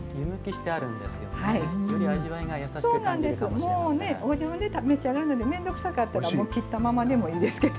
もうねご自分で召し上がるので面倒くさかったら切ったままでもいいですけどね。